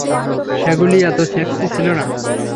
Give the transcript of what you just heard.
সেগুলি এতো সেক্সি ছিল না।